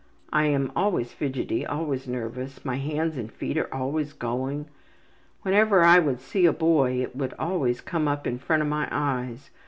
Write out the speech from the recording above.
I am always fidgety, always nervous. My hands and feet are always going. Whenever I would see a boy it would always come up in front of my eyes.